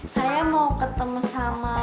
saya mau ketemu sama